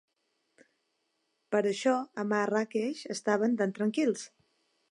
Per això a Marràqueix estaven tan tranquils.